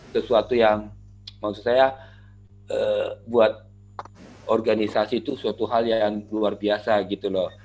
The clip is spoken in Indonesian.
sesuatu yang maksud saya buat organisasi itu suatu hal yang luar biasa gitu loh